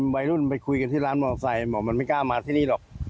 วัยรุ่นไปคุยกันที่ร้านมอไซค์บอกมันไม่กล้ามาที่นี่หรอก